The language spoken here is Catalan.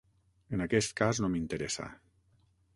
En aquest cas, no m'interessa.